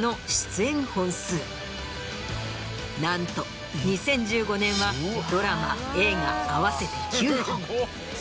なんと２０１５年はドラマ映画合わせて９本。